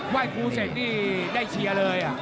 ครูเสร็จนี่ได้เชียร์เลย